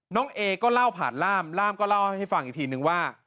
น้องเอก็เล่าผ่านล่ามล่ามก็เล่าให้ฟังอีกทีนึงว่า